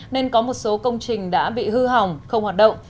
nên có một số công trình đã bị hư hỏng không hoạt động